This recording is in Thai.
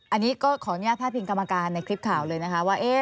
อันนี้ก็ขออนุญาตพาดพิงกรรมการในคลิปข่าวเลยนะคะว่า